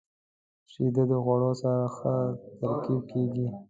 • شیدې د خوړو سره ښه ترکیب کیږي.